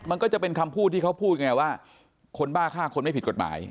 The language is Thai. มันก็จะเป็นคำพูดที่เขาพูดไงว่าคนบ้าฆ่าคนไม่ผิดกฎหมาย